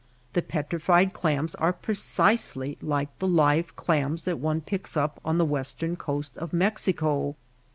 The petrified clams are precisely like the live clams that one picks up on the western coast of Mexico.